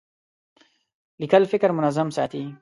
لیکل فکر منظم ساتي.